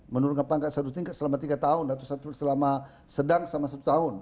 menurunkan pangkat satu tingkat selama tiga tahun atau satu selama sedang selama satu tahun